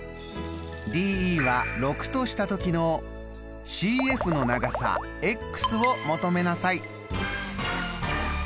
ＤＥは６とした時のＣＦの長さを求めなさい。